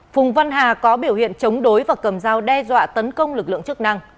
phùng văn hà có biểu hiện chống đối và cầm dao đe dọa tấn công lực lượng chức năng